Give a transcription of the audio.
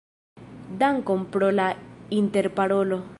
Dankon pro la interparolo.